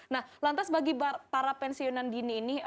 nah lantas bagi para pensiunan dini ini